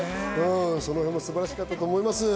そのへんも素晴らしかったと思います。